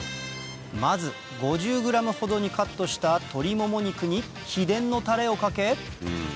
まず５０ｇほどにカットした鶏もも肉に秘伝のタレをかけ